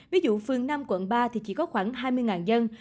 ví dụ phường năm quận ba thì chỉ có khoảng hai mươi dân